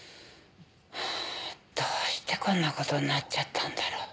どうしてこんな事になっちゃったんだろ。